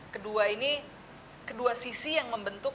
kedua ini kedua sisi yang membentuk